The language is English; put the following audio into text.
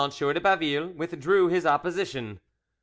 de Baville withdrew his opposition.